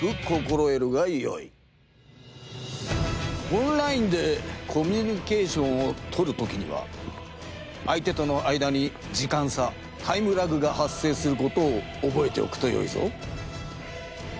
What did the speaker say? オンラインでコミュニケーションをとる時には相手との間にじかんさタイムラグが発生することをおぼえておくとよいぞ。